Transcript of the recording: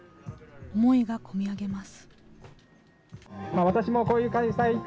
思いがこみ上げます。